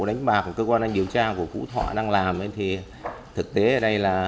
vụ đánh bạc của cơ quan an ninh điều tra của phú thọ đang làm thì thực tế ở đây là